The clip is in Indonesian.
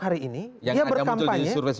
hari ini dia berkampanye